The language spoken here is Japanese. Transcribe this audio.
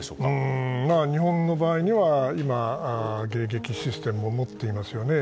まあ日本の場合には迎撃システムも持っていますよね。